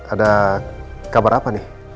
ada kabar apa nih